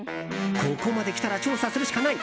ここまで来たら調査するしかない！